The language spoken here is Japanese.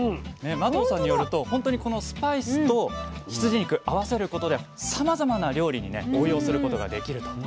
眞藤さんによるとほんとにこのスパイスと羊肉合わせることでさまざまな料理にね応用することができるということなんです。